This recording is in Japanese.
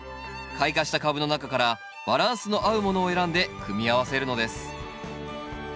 開花した株の中からバランスの合うものを選んで組み合わせるのです。